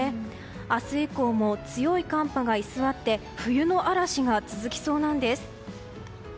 明日以降も強い寒波が居座って冬の嵐が続きそうなんです。